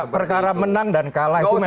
perkara menang dan kalah itu menang